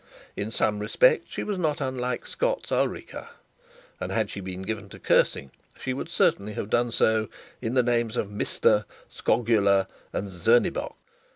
In some respects she was not unlike Scott's Ulrica, and had she been given to cursing, she would certainly have done so in the names of Mista, Skogula, and Zernebock.